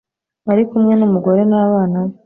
ari kumwe n'umugore n'abana be.